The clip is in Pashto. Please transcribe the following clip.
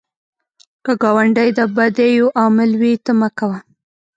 که ګاونډی د بدیو عامل وي، ته مه کوه